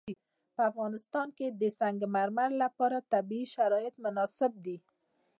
په افغانستان کې د سنگ مرمر لپاره طبیعي شرایط مناسب دي.